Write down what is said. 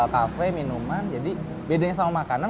kafe minuman jadi bedanya sama makanan